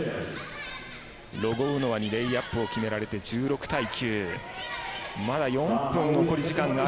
ロゴウノワにレイアップを決められて１３対９。